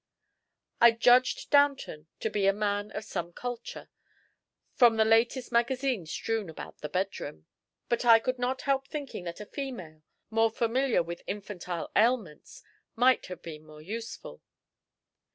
I judged Downton to be a man of some culture, from the latest magazines strewn about the bedroom; but I could not help thinking that a female, more familiar with infantile ailments, might have been more useful.